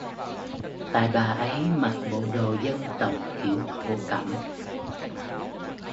tại bà ấy mặc bồ đồ dân tộc kiểu thổ cẩm